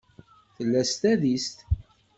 Tella s tadist.